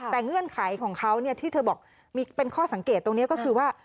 แต่เงื่อนไขของเขาที่เธอบอกมีเป็นข้อสังเกตตรงนี้ก็คือว่า